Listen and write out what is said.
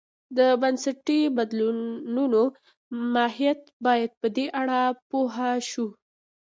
د بنسټي بدلونو ماهیت باید په دې اړه پوه شو.